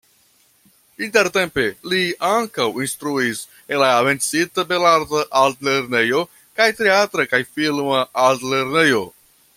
Intertempe li ankaŭ instruis en la menciita Belarta Altlernejo kaj Teatra kaj Filma Altlernejo.